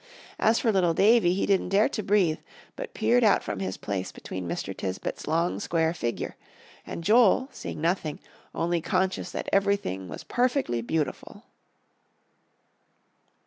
As for little Davie, he didn't dare to breathe, but peered out from his place between Mr. Tisbett's long, square figure and Joel, seeing nothing, only conscious that everything was perfectly beautiful.